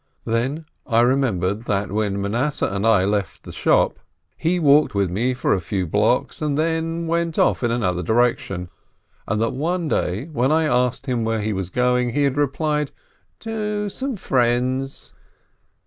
Then I remembered that when Manasseh and I left the shop, he walked with me a few blocks, and then went off in another direction, and that one day, when I asked him where he was going, he had replied, "To some friends."